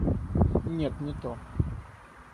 Нет, не то.